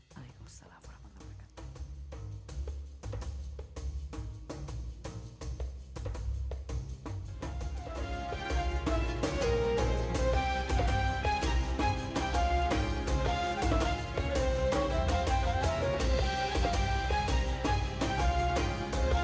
waalaikumsalam warahmatullahi wabarakatuh